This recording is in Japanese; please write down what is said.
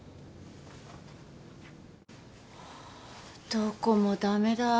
どこも駄目だ。